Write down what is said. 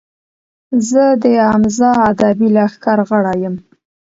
زۀ د حمزه ادبي لښکر غړے یم